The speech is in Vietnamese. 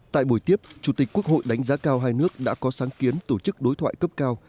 tại buổi tiếp chủ tịch quốc hội đánh giá cao hai nước đã có sáng kiến tổ chức đối thoại cấp cao